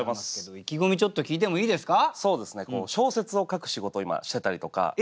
意気込みちょっと聞いてもいいですか？